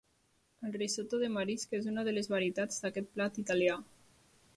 El risotto de marisc és una de les varietats d'aquest plat italià.